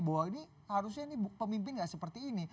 bahwa ini harusnya pemimpin gak seperti ini